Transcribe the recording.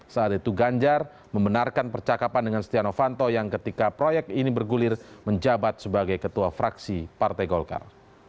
saat itu ganjar membenarkan percakapan dengan setia novanto yang ketika proyek ini bergulir menjabat sebagai ketua fraksi partai golkar